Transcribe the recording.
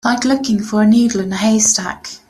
Like looking for a needle in a haystack.